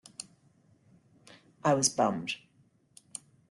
I was bummed.